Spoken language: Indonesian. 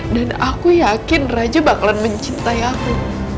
aku yakin raja bakalan mencintai aku